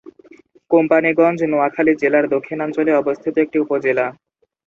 কোম্পানীগঞ্জ নোয়াখালী জেলার দক্ষিণাঞ্চলে অবস্থিত একটি উপজেলা।